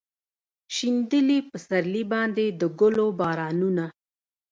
شیندلي پسرلي باندې د ګلو بارانونه